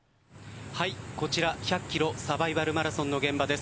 こちら１００ｋｍサバイバルマラソンの現場です。